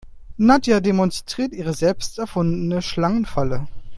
Nadja demonstriert ihre selbst erfundene Schlangenfalle.